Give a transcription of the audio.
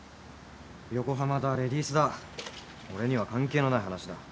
横浜だレディースだ俺には関係のない話だ。